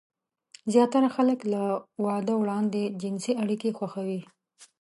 زياتره خلک له واده وړاندې جنسي اړيکې خوښوي.